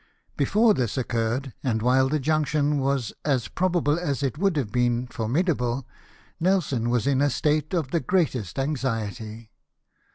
Before this occurred, and while the junction was as probable as it would have been formidable. Nelson was in a state of the greatest anxiety.